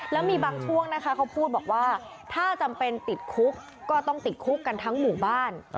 แล้วมีบางช่วงนะคะเขาพูดบอกว่าถ้าจำเป็นติดคุกก็ต้องติดคุกกันทั้งหมู่บ้าน